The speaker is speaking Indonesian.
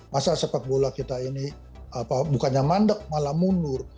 masa sepak bola kita ini bukannya mandek malah mundur